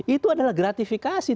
itu adalah gratifikasi